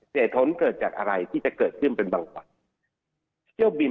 เสียทนเกิดจากอะไรที่จะเกิดขึ้นเป็นบางปัน